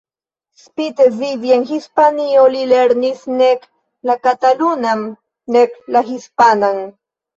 Spite vivi en Hispanio li lernis nek la katalunan nek la hispanan.